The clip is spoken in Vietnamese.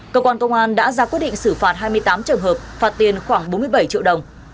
cơ quan công an đã ra quyết định xử phạt hai mươi tám trường hợp phạt tiền khoảng bốn mươi bảy triệu đồng